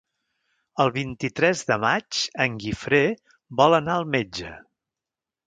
El vint-i-tres de maig en Guifré vol anar al metge.